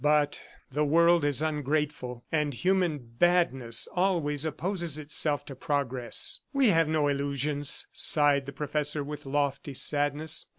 ... But the world is ungrateful, and human badness always opposes itself to progress. "We have no illusions," sighed the professor, with lofty sadness.